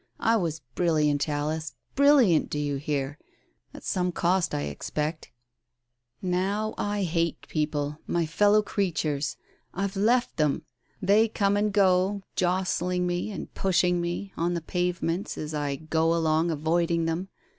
I was brilliant, Alice, brilliant, do you hear? At some cost, I expect ! Now I hate people — my fellow creatures. Fve left them. They come and go, jostling me, and pushing me, on the pavements as I go along, avoiding them.